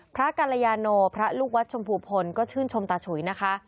กัลยาโนพระลูกวัดชมพูพลก็ชื่นชมตาฉุยนะคะ